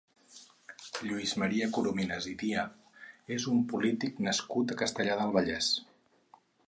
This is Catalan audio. Lluís Maria Corominas i Díaz és un polític nascut a Castellar del Vallès.